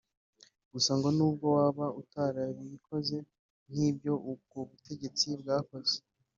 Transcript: gusa ngo nubwo waba utarayikoze nk’ibyo ubwo butegetsi bwakoze